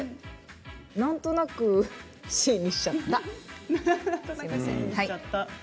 なんとなくＣにしちゃった。